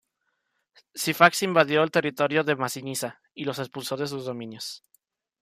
Sifax invadió el territorio de Masinisa y lo expulsó de sus dominios.